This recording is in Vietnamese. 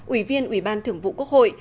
ủy viên ủy ban thưởng vụ quốc hội